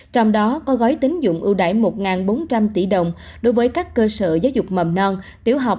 trong đó có gói tính dụng ưu đại một bốn trăm linh tỷ đồng đối với các cơ sở giáo dục mầm non tiểu học